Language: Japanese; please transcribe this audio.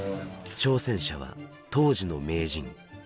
挑戦者は当時の名人羽生善治